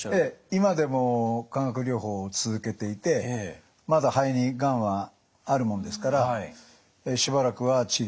今でも化学療法を続けていてまだ肺にがんはあるもんですからしばらくは治療を。